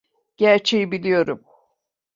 Gerçeği biliyorum.